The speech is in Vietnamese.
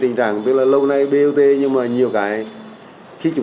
thì nhà đầu tư nào bỏ thầu ít hơn